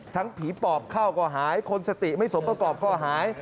ผีปอบเข้าก็หายคนสติไม่สมประกอบก็หาย